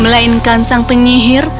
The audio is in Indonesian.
melainkan sang penyihir